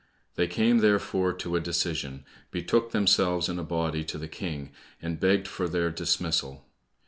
They came therefore to a decision, betook themselves in a body to the King, and begged for their dismissal.